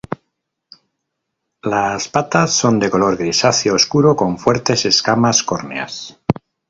Las patas son de color grisáceo oscuro con fuertes escamas córneas.